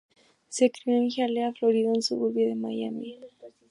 Se crio en Hialeah, Florida, un suburbio de Miami.